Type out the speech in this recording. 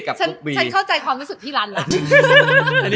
ฉันเข้าใจความรู้สึกพี่รันแล้ว